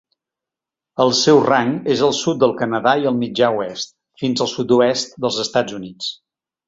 El seu rang és el sud del Canadà i el mitjà oest, fins al sud-oest dels Estats Units.